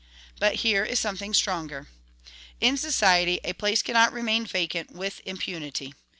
But here is something stronger: "In society a place cannot remain vacant with impunity.